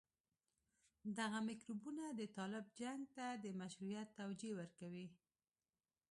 دغه میکروبونه د طالب جنګ ته د مشروعيت توجيه ورکوي.